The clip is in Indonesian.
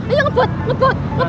ayo ngebut ngebut ngebut